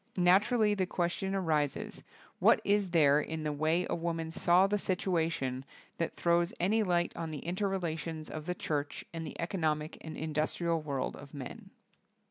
Naturally the question arises, what is there in the way a woman saw the situation that throws any light on the inter relations of the church and the economic and indus trial world of men?